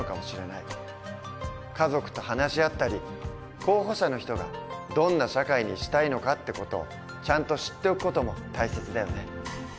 家族と話し合ったり候補者の人がどんな社会にしたいのかって事をちゃんと知っておく事も大切だよね。